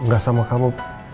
gak sama kamu